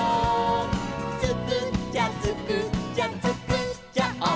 「つくっちゃつくっちゃつくっちゃオー！」